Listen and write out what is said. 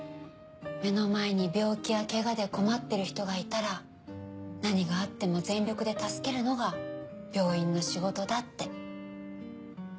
目の前に病気やケガで困ってる人がいたら何があっても全力で助けるのが病院の仕事だって。